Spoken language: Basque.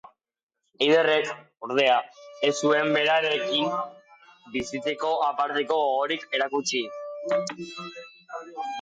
Eiderrek, ordea, ez zuen berarekin bizitzeko aparteko gogorik erakutsi.